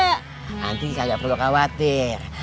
nanti gak perlu khawatir